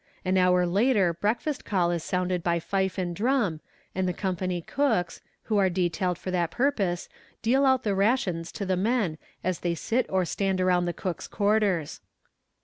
An hour later breakfast call is sounded by fife and drum, and the company cooks, who are detailed for that purpose, deal out the rations to the men as they sit or stand around the cook's quarters.